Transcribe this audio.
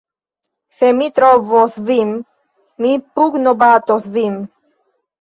Se mi trovos vin, mi pugnobatos vin!